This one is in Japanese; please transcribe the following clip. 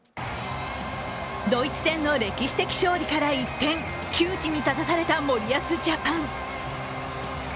ドイツ戦の歴史的勝利から一転、窮地に立たされた森保ジャパン。